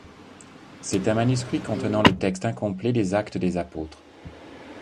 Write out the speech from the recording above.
C'est un manuscrit contenant le texte incomplet des Actes des Apôtres.